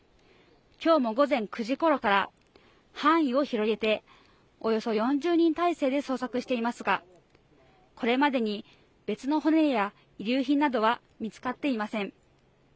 今日も午前９時頃から範囲を広げておよそ４０人態勢で捜索していますがこれまでに別の骨や遺留品などは見つかっていません